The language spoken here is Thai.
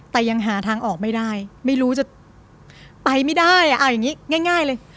แต่ยังหาทางออกไม่ได้ไม่รู้จะไปไม่ได้เอาอย่างนี้ง่ายเลย